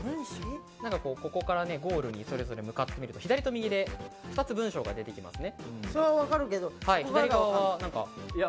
ここからゴールにそれぞれ向かって、左と右で２つ文章が出てきますね。